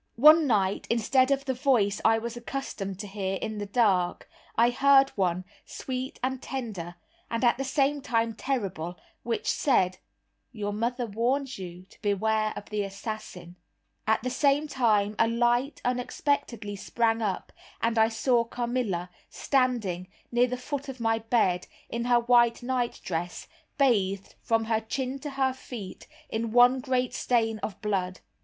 One night, instead of the voice I was accustomed to hear in the dark, I heard one, sweet and tender, and at the same time terrible, which said, "Your mother warns you to beware of the assassin." At the same time a light unexpectedly sprang up, and I saw Carmilla, standing, near the foot of my bed, in her white nightdress, bathed, from her chin to her feet, in one great stain of blood.